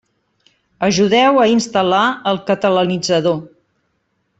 Ajudeu a instal·lar el Catalanitzador.